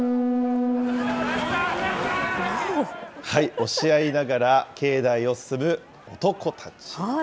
押し合いながら境内を進む男たち。